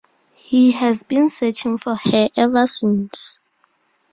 He has been searching for her ever since.